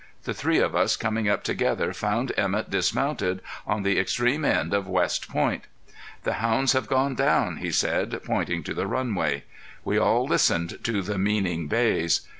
The three of us coming up together found Emett dismounted on the extreme end of West Point. "The hounds have gone down," he said, pointing to the runway. We all listened to the meaning bays.